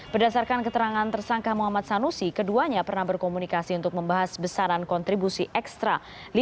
berdasarkan keterangan tersangka muhammad sanusi keduanya pernah berkomunikasi untuk membahas besaran kontribusi ekstra